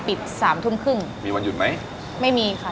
สามทุ่มครึ่งมีวันหยุดไหมไม่มีค่ะ